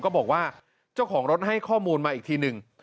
ก็บอกว่าเจ้าของรถให้ข้อมูลมาอีกทีหนึ่ง